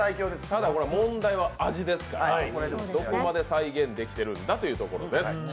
ただ、問題は味ですから、どこまで再現できてるんだというところです。